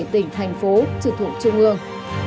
tỉnh thành phố trực thụ trung ương